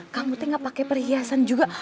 kamu tuh gak pakai perhiasan juga